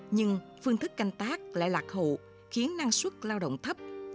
nhưng phương thức canh tác lại lạc hộ khiến năng suất lao động thấp